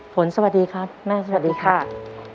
สวัสดีครับแม่สวัสดีครับ